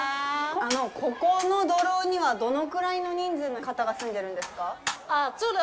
ここの土楼には、どのくらいの人数の方が住んでいるんですか？